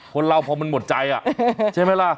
คนเราพอมันหมดใจใช่ไหมล่ะ